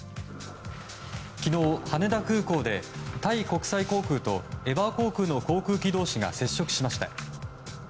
昨日、羽田空港でタイ国際航空とエバー航空の航空機同士が接触しました。